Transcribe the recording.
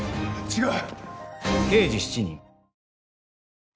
違う。